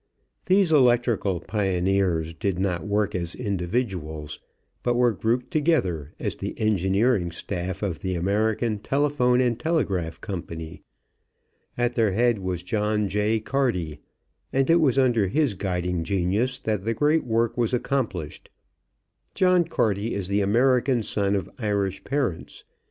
These electrical pioneers did not work as individuals, but were grouped together as the engineering staff of the American Telephone and Telegraph Company. At their head was John J. Carty, and it was under his guiding genius that the great work was accomplished. John Carty is the American son of Irish parents.